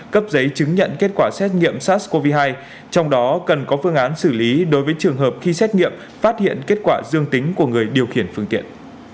cấp giấy chứng nhận kết quả xét nghiệm sars cov hai trong đó cần có phương án xử lý đối với trường hợp khi xét nghiệm phát hiện kết quả dương tính của người điều khiển phương tiện